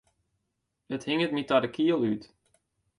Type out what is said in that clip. It hinget my ta de kiel út.